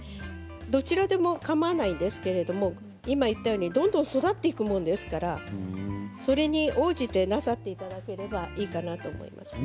どちらでもかまわないですけれど今、言ったようにどんどん育っていくものですからそれに応じてなさっていただければいいと思いますね。